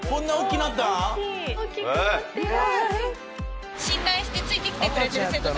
おっきくなってる。